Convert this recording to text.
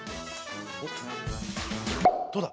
おっどうだ？